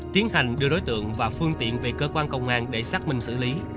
tiến hành đưa đối tượng và phương tiện về cơ quan công an để xác minh xử lý